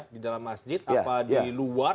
di dalam masjid apa di luar